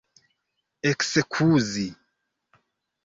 ekskuzi